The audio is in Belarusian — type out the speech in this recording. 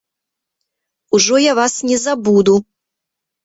Ужо я вас не забуду!